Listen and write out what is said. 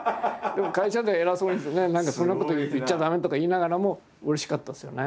でも会社では偉そうにして「そんなこと言っちゃ駄目」とか言いながらもうれしかったですよね。